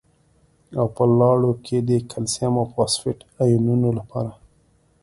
او په لاړو کې د کلسیم او فاسفیټ ایونونو لپاره